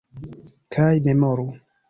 Kaj memoru!